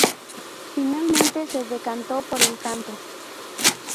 Finalmente se decantó por el canto.